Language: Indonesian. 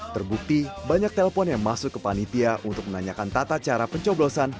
terbukti banyak telpon yang masuk ke panitia untuk menanyakan tata cara pencoblosan